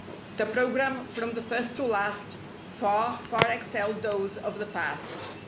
The program from the first to last Far, far excelled those of the past.